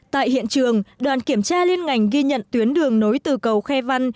tại hiện trường đoàn kiểm tra liên ngành ghi nhận tuyến đường nối từ cầu khe văn